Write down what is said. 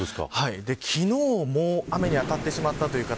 昨日も雨に当たってしまったという方